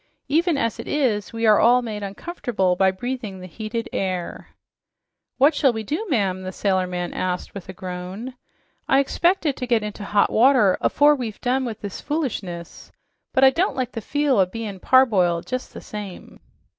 Even as it is, we are all made uncomfortable by breathing the heated air." "What shall we do, ma'am?" the sailor man asked with a groan. "I expected to get into hot water afore we've done with this foolishness, but I don't like the feel o' bein' parboiled, jes' the same."